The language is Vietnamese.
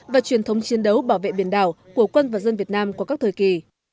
và truyền thống chiến đấu bảo vệ biển đảo của quân và dân việt nam qua các thời kỳ